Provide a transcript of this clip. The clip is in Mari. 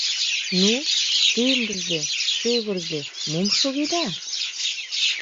Ну, тӱмырзӧ, шӱвырзӧ, мом шогеда?